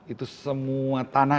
itu semua tanah